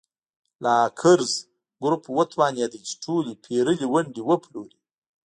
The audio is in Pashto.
لاکزر ګروپ وتوانېد چې ټولې پېرلې ونډې وپلوري.